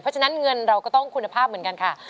เพราะฉะนั้นเงินเราก็ต้องคุณภาพเหมือนกันค่ะ